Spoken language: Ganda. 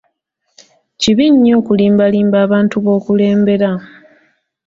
kibi nnyo okulimbalimba abantu b'okulembera.